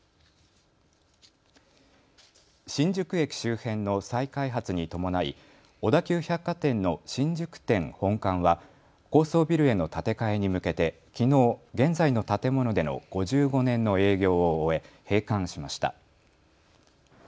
新宿駅周辺の再開発に伴い小田急百貨店の新宿店本館は高層ビルへの建て替えに向けてきのう、現在の建物での５５年の営業を終え閉館しました。